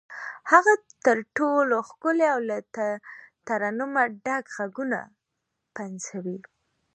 هغه تر ټولو ښکلي او له ترنمه ډک غږونه پنځوي.